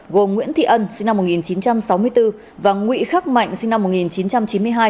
gồm nguyễn thị ân sinh năm một nghìn chín trăm sáu mươi bốn và nguyễn khắc mạnh sinh năm một nghìn chín trăm chín mươi hai